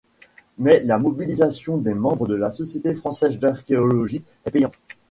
Mais la mobilisation des membres de la Société française d'archéologie est payante.